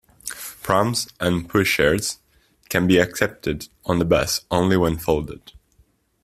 Prams and pushchairs can be accepted on the bus only when folded